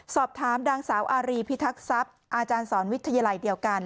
สอบถามนางสาวอารีพิทักษัพย์อาจารย์สอนวิทยาลัยเดียวกัน